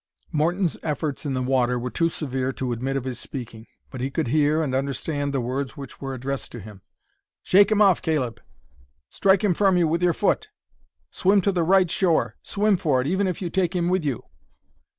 Morton's efforts in the water were too severe to admit of his speaking, but he could hear and understand the words which were addressed to him. "Shake him off, Caleb." "Strike him from you with your foot." "Swim to the right shore; swim for it, even if you take him with you."